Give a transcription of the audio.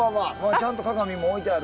ちゃんと鏡も置いてある！